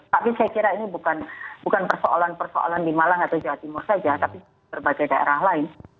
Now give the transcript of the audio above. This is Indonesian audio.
tapi saya kira ini bukan persoalan persoalan di malang atau jawa timur saja tapi berbagai daerah lain